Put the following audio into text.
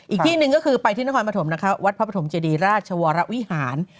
อีกที่หนึ่งก็คือไปที่นครปฐมนะคะวัดพระปฐมเจดีราชวรวิหาร